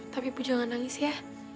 tapi ibu jangan nangis ya